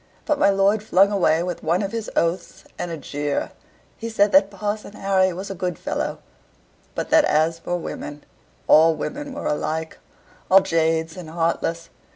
But my lord flung away with one of his oaths, and a jeer; he said that Parson Harry was a good fellow; but that as for women, all women were alike all jades and heartless.